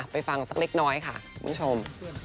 ฟังสักเล็กน้อยค่ะคุณผู้ชม